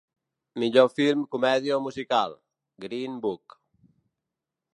Millor film comèdia o musical: ‘Green Book’